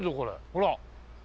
ほら。